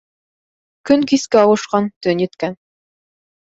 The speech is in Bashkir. Көн кискә ауышҡан, төн еткән.